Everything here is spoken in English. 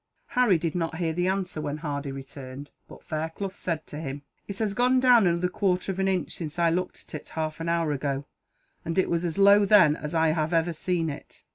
Harry did not hear the answer, when Hardy returned, but Fairclough said to him: "It has gone down another quarter of an inch since I looked at it, half an hour ago; and it was as low, then, as I have ever seen it.